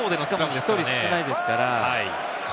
１人少ないですから。